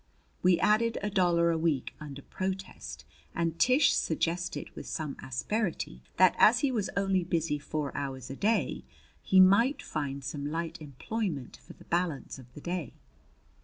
We added a dollar a week under protest; and Tish suggested with some asperity that as he was only busy four hours a day he might find some light employment for the balance of the day.